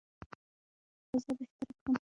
فضا بهتره کړم.